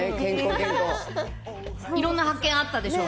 いろんな発見あったでしょう